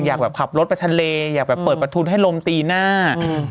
อยากแบบขับรถไปทะเลอยากแบบเปิดประทุนให้ลมตีหน้า